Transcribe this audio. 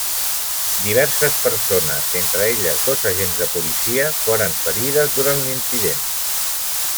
Diverses persones, entre elles dos agents de policia, foren ferides durant l'incident.